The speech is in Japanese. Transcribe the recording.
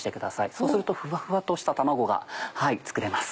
そうするとフワフワとした卵が作れます。